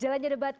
jalan jalan banjir